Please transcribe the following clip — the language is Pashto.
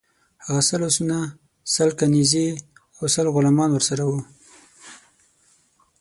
هغه سل آسونه، سل کنیزي او سل غلامان ورسره وه.